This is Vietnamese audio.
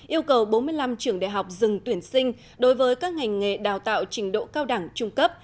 yêu cầu bốn mươi năm trường đại học dừng tuyển sinh đối với các ngành nghề đào tạo trình độ cao đẳng trung cấp